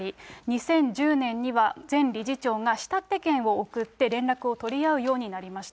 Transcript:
２０１０年には前理事長が仕立券を送って連絡を取り合うようになりました。